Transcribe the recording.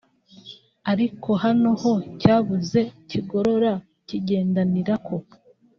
ariko hano ho cyabuze kigorora kigendanira ko